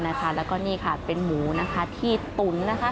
และนี่ค่ะเป็นหมูที่ตุ้น